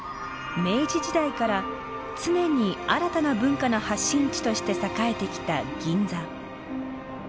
明治時代から常に新たな文化の発信地として栄えてきた銀座。